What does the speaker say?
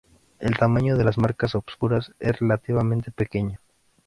El tamaño de las marcas oscuras es relativamente pequeño.